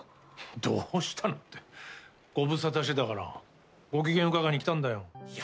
どうしたのってご無沙汰してたからご機嫌伺いに来たんだよ。